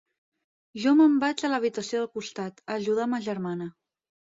Jo me'n vaig a l'habitació del costat, a ajudar ma germana.